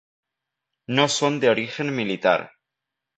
No son de origen militar.